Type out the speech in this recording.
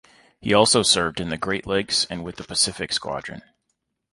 He also served in the Great Lakes and with the Pacific Squadron.